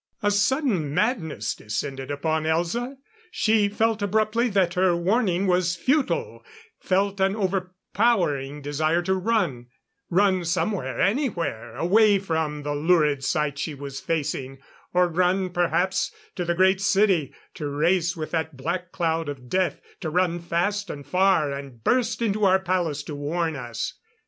"_ A sudden madness descended upon Elza. She felt abruptly that her warning was futile, felt an overpowering desire to run. Run somewhere anywhere, away from the lurid sight she was facing. Or run perhaps, to the Great City; to race with that black cloud of death; to run fast and far, and burst into our palace to warn us.